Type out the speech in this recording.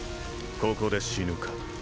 ここで死ぬか